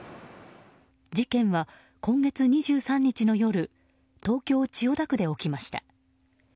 事件は今月２３日の夜東京・千代田区で起きました。